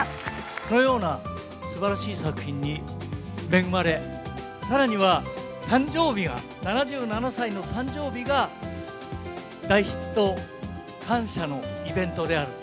このようなすばらしい作品に恵まれ、さらには、誕生日が、７７歳の誕生日が、大ヒット感謝のイベントである。